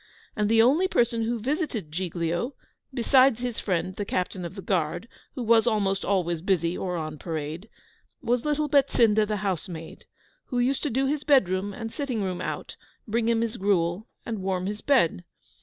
And the only person who visited Giglio (beside his friend the Captain of the Guard, who was almost always busy or on parade) was little Betsinda the housemaid, who used to do his bedroom and sitting room out, bring him his gruel, and warm his bed.